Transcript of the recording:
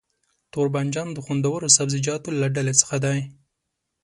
توربانجان د خوندورو سبزيجاتو له ډلې څخه دی.